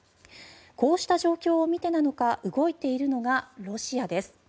こうした状況を見てなのか動いているのがロシアです。